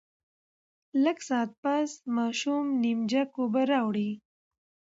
لږ ساعت پس ماشوم نيم جګ اوبۀ راوړې